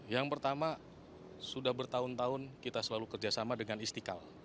yang pertama sudah bertahun tahun kita selalu kerjasama dengan istiqlal